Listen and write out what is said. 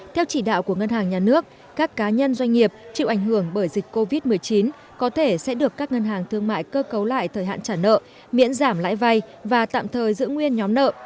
theo chỉ đạo của ngân hàng nhà nước các cá nhân doanh nghiệp chịu ảnh hưởng bởi dịch covid một mươi chín có thể sẽ được các ngân hàng thương mại cơ cấu lại thời hạn trả nợ miễn giảm lãi vay và tạm thời giữ nguyên nhóm nợ